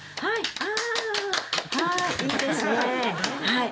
はい。